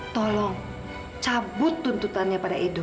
tolong cabut tuntutannya pada edo